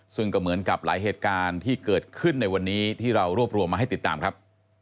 ซึ่งก็เหมือนกับหลายเหตุการณ์ที่เกิดขึ้นในวันนี้ที่เรารวบรวมมาให้ติดตามครับ